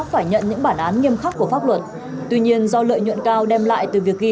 phải nhận những bản án nghiêm khắc của pháp luật tuy nhiên do lợi nhuận cao đem lại từ việc ghi